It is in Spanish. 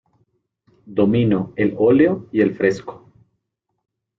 Dominó el óleo y el fresco.